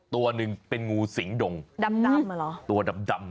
ตัวหนึ่งเป็นงูสิงดงตัวดำน่ะ